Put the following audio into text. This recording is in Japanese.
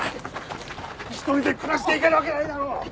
一人で暮らしていけるわけないだろう！